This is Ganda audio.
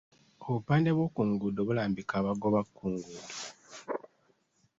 Obupande bw'oku nguudo bulambika abagoba ku nguudo.